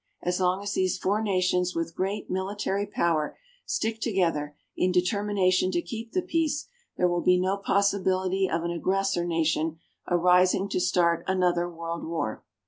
As long as these four nations with great military power stick together in determination to keep the peace there will be no possibility of an aggressor nation arising to start another world war.